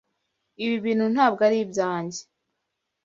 Ibi bintu ntabwo ari ibyanjye!